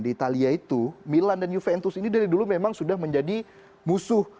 di italia itu milan dan juventus ini dari dulu memang sudah menjadi musuh